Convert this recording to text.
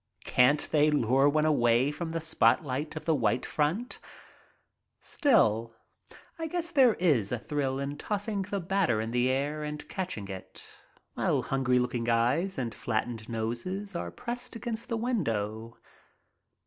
Can't they lure one away from the spotlight of the white front? Still, I guess there is a thrill in tossing the batter in the air and catching it while hungry looking eyes and flattened noses are pressed against the window.